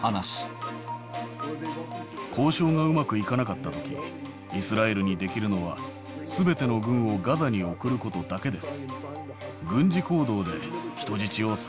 交渉がうまくいかなかったとき、イスラエルにできるのは、すべての軍をガザに送ることだけです。